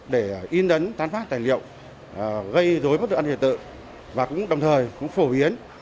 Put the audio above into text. để in ấn tán phát tài liệu gây rối bất đồng ăn hiện tự và cũng đồng thời phổ biến